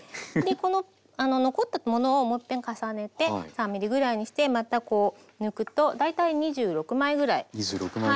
この残ったものをもういっぺん重ねて３ｍｍぐらいにしてまたこう抜くと大体２６枚ぐらい。